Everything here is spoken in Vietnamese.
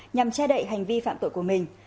nhằm che đậy hành vi phạm tội của mình